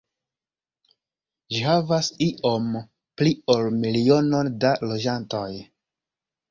Ĝi havas iom pli ol milionon da loĝantoj.